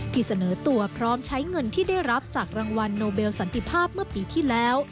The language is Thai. ที่เสนอตัวพร้อมใช้เงินที่ได้รับจากรางวัลโนเบลสันติภาพเมื่อปีที่แล้ว